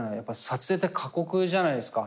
撮影って過酷じゃないですか。